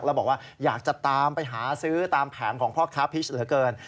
แล้วบอกว่าอยากจะตามไปหาซื้อตามแผงของพ่อค้าพิชเหลือเกิน